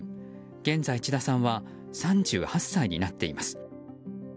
現在、千田さんは３８歳になっています。